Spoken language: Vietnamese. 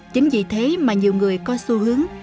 chính vì thế mà nhiều người có xu hướng